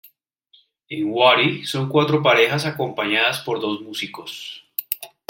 En Huari son cuatro parejas acompañadas por dos músicos.